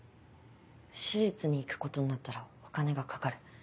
私立に行くことになったらお金がかかる。